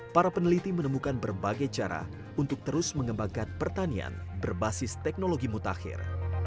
para peneliti menemukan berbagai cara untuk terus mengembangkan pertanian berbasis teknologi mutakhir